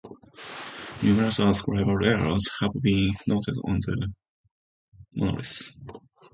Numerous other scribal errors have been noted on the monolith.